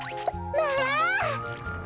まあ！